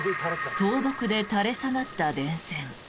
倒木で垂れ下がった電線。